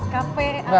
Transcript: cafe atau kedai